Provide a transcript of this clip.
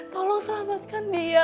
tolong selamatkan dia